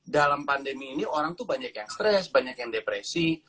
dalam pandemi ini orang tuh banyak yang stres banyak yang depresi